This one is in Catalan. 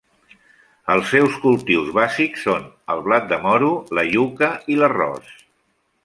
Els seus cultius bàsics són el blat de moro, la iuca i l'arròs.